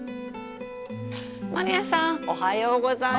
満里奈さんおはようございます。